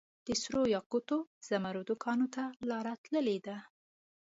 دسرو یاقوتو ، زمردو کان ته لار تللي ده